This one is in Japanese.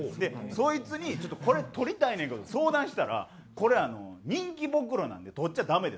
そいつに「ちょっとこれ取りたいねんけど」相談したら「これ人気ボクロなんで取っちゃダメです」と。